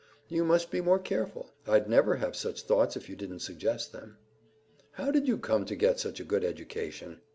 "You must be more careful. I'd never have such thoughts if you didn't suggest them." "How did you come to get such a good education?"